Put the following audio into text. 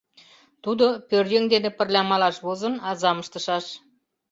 Тудо, пӧръеҥ дене пырля малаш возын, азам ыштышаш.